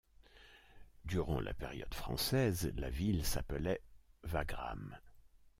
Durant la période française la ville s'appelait Wagram.